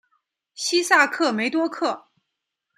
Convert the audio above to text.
西萨克梅多克。